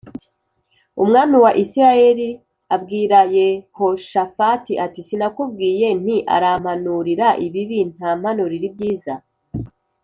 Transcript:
Umwami wa Isirayeli abwira Yehoshafati ati sinakubwiye nti arampanurira ibibi ntampanurira ibyiza